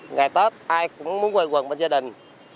ngày tết ai cũng muốn quay quần bên gia đình